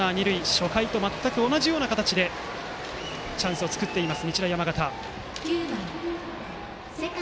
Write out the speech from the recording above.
初回と全く同じような形でチャンスを作っている日大山形。